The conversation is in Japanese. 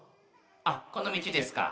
あっこのみちですか？